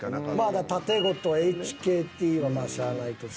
まあ「たてごと」「ＨＫＴ」はしゃあないとして。